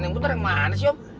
yang bener yang manis om